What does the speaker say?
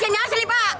saya harusnya asli pak